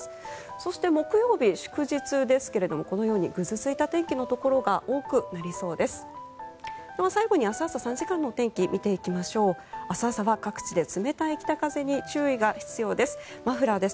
そして木曜日、祝日ですがこのようにぐずついた天気のところが多くなりそうです。